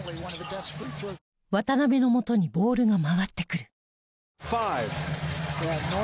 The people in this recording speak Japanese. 渡邊のもとにボールが回ってくる。